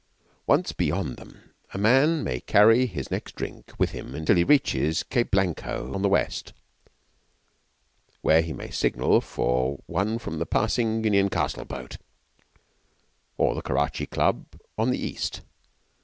Once beyond them a man may carry his next drink with him till he reaches Cape Blanco on the west (where he may signal for one from a passing Union Castle boat) or the Karachi Club on the east.